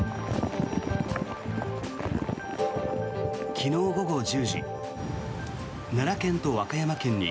昨日午後１０時奈良県と和歌山県に